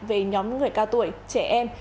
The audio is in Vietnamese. về nhóm người cao tuổi trẻ em